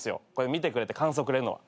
見てくれて感想くれるのは。